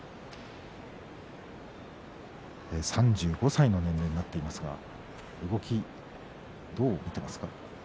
３５歳の年齢になっていますが動き、どう見ていますか？